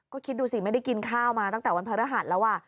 ก็คิดดูสิไม่ได้กินข้าวมาตั้งแต่วันพระรหัสแล้ว